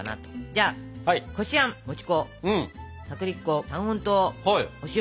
じゃあこしあんもち粉薄力粉三温糖お塩。